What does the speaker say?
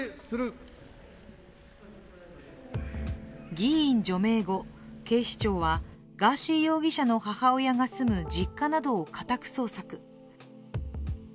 議員除名後、警視庁はガーシー容疑者の母親が住む実家などを家宅捜索。